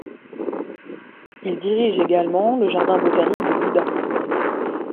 Il dirige également le jardin botanique de Buda.